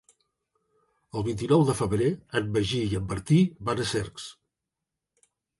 El vint-i-nou de febrer en Magí i en Martí van a Cercs.